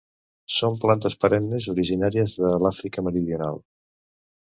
Són plantes perennes, originàries de l'Àfrica Meridional.